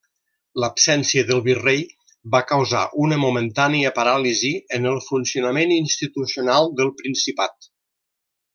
L'absència del virrei va causar una momentània paràlisi en el funcionament institucional del Principat.